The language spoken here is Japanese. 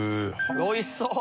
おいしそう！